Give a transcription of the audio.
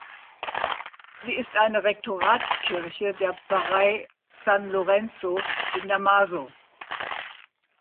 Sie ist eine Rektoratskirche der Pfarrei San Lorenzo in Damaso.